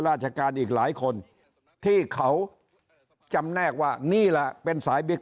ราชการอีกหลายคนที่เขาจำแนกว่านี่แหละเป็นสายบิ๊ก